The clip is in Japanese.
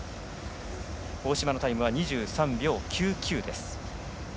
大島のタイムは２３秒９９。